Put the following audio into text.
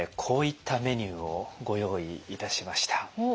こういったメニューをご用意いたしました。